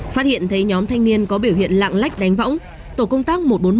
phát hiện thấy nhóm thanh niên có biểu hiện lạng lách đánh võng tổ công tác một trăm bốn mươi một